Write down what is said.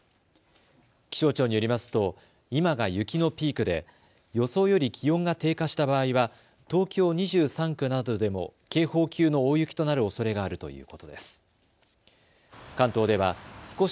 気象庁によりますと今が雪のピークで予想より気温が低下した場合は東京２３区などでも警報級の大雪となるおそれがあるということです。